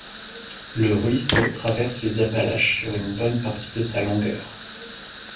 Le ruisseau traverse les Appalaches sur une bonne partie de sa longueur.